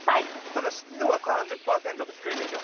ただ湿度は３０％と低いんですよ。